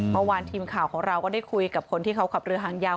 เมื่อวานทีมข่าวของเราก็ได้คุยกับคนที่เขาขับเรือหางยาว